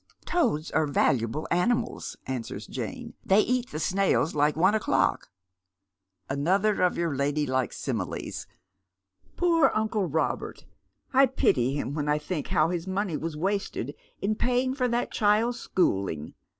"Toads are valuable animals," answers Jane. " They eat tho snails like one o'clock." "Another of your ladylike similes. Poor uncle Robert! I pity him when I think how his money was wasted in paying for that child's schooling.